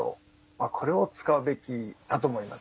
これを使うべきだと思います。